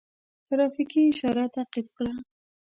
ترافیکي اشاره تعقیب کړه.